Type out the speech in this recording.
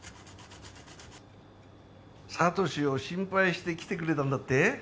智志を心配して来てくれたんだって？